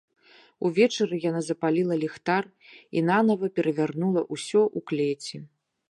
Увечары яна запаліла ліхтар і нанава перавярнула ўсё ў клеці.